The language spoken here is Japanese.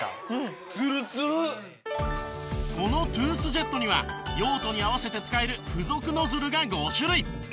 このトゥースジェットには用途に合わせて使える付属ノズルが５種類！